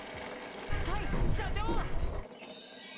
はい社長っ！